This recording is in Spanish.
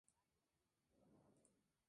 Kuro es de nacionalidad japonesa.